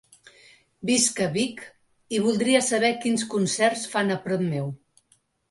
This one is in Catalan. Visc a Vic i voldria saber quins concerts fan a prop meu.